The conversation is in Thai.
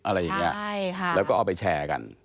อะไรอย่างนี้ใช่ค่ะแล้วก็เอาไปแชร์กัน